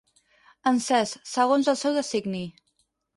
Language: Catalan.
Encès, segons el seu designi.